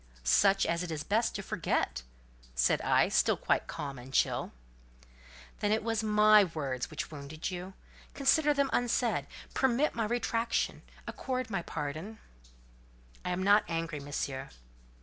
"Such as it is best to forget!" said I, still quite calm and chill. "Then it was my words which wounded you? Consider them unsaid: permit my retractation; accord my pardon." "I am not angry, Monsieur."